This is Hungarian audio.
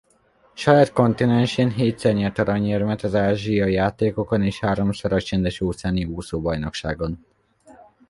Saját kontinensén hétszer nyert aranyérmet az Ázsia-játékokon és háromszor a Csendes-óceáni úszóbajnokságon.